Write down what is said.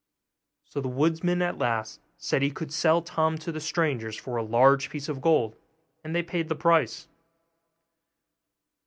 So the woodman at last said he would sell Tom to the strangers for a large piece of gold, and they paid the price.